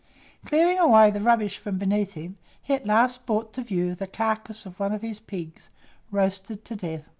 Clearing away the rubbish from beneath him, he at last brought to view the carcase of one of his pigs, roasted to death.